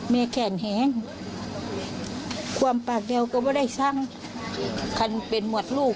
แม่แขนแห้งความปากเดียวก็ไม่ได้สร้างคันเป็นหมวดลูก